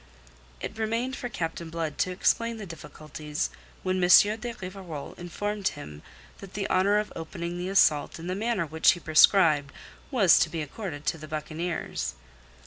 It remained for Captain Blood to explain the difficulties when M. de Rivarol informed him that the honour of opening the assault in the manner which he prescribed was to be accorded to the buccaneers.